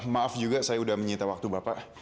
maaf juga saya sudah menyita waktu bapak